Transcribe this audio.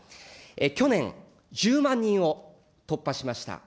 去年、１０万人を突破しました。